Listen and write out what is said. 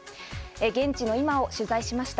現地の今を取材しました。